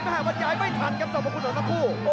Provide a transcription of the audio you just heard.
มหาวันย้ายไม่ทันครับสมมติของหน้าผู้